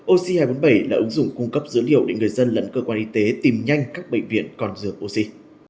oc hai trăm bốn mươi bảy là ứng dụng cung cấp dữ liệu để người dân lẫn cơ quan y tế tìm nhanh các bệnh viện còn rửa oxy